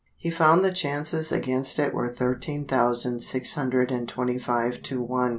He found the chances against it were thirteen thousand six hundred and twenty five to one.